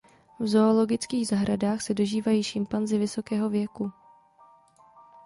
V zoologických zahradách se dožívají šimpanzi vysokého věku.